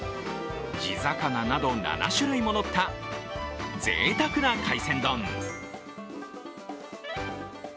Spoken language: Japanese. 地魚など７種類ものったぜいたくな海鮮丼。